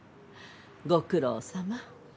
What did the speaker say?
ご苦労さま。